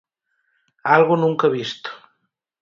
"Algo nunca visto".